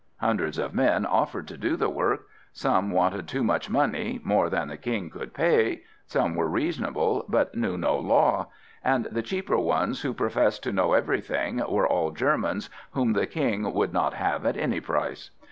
Hundreds of men offered to do the work. Some wanted too much money, more than the King could pay; some were reasonable, but knew no law; and the cheaper ones who professed to know everything were all Germans, whom the King would not have at any price.